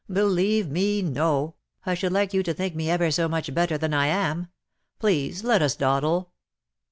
" Believe me, no. I should like you to think me ever so much better than I am. Please, let us dawdle.